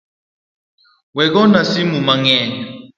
We gona simu mang’eny